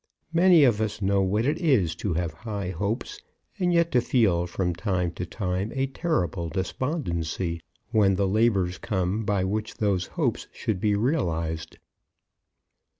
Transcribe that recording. Many of us know what it is to have high hopes, and yet to feel from time to time a terrible despondency when the labours come by which those hopes should be realized.